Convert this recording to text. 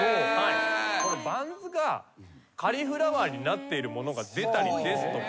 バンズがカリフラワーになっているものが出たりですとか。